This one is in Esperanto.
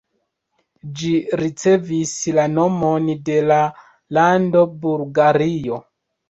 Ĝi ricevis la nomon de la lando Bulgario.